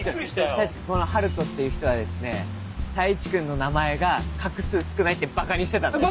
太一君この春斗っていう人はですね太一君の名前が画数少ないってばかにしてたんだよ。